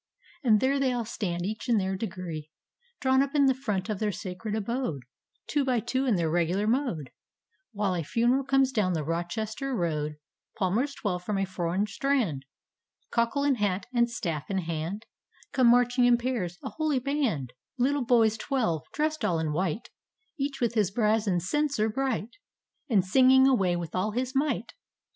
And there they all stand each in their dcgrM, Drawn up in the front of their sacred abode, Two by two in their regular mode, While a funeral comes down the Rochester road, Palmers twelve, from a foreign strand. Cockle in hat and staff in hand, Come mardiing in pairs, a holy band I DigtL erihyGOOgle The Haunted Hour Little boys twelve, dressed all in white. Each with his brazen censer bright. And singing away with all his might.